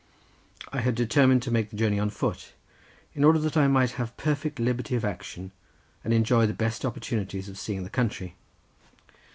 I had determined to make the journey on foot, in order that I might have perfect liberty of action, and enjoy the best opportunities of seeing the country.